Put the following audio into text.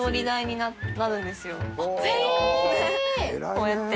こうやって。